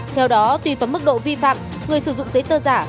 theo đó tùy vào mô mức vị phạm người sử dụng giấy tờ giả